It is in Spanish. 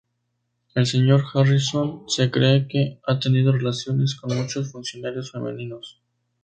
El señor Harrison se cree que ha tenido relaciones con muchos funcionarios femeninos.